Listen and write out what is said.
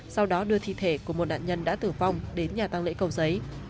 sau đó đưa thi thể của một nạn nhân đã tử vong đến nhà tăng lễ cầu giấy